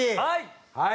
はい！